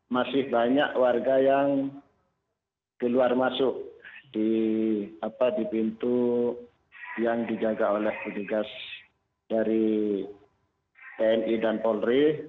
masih banyak warga yang keluar masuk di pintu yang dijaga oleh petugas dari tni dan polri